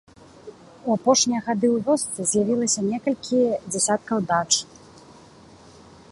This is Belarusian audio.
У апошнія гады ў вёсцы з'явілася некалькі дзясяткаў дач.